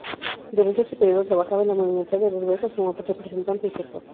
Durante este período trabaja en la Monumental de las Ventas como representante y gestor.